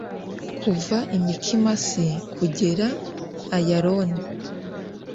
kuva i mikimasi kugera ayaloni